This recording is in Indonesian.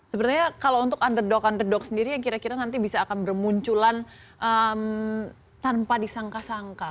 sebenarnya kalau untuk underdog underdog sendiri yang kira kira nanti bisa akan bermunculan tanpa disangka sangka